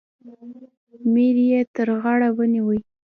میر یې تر غاړه ونیوی.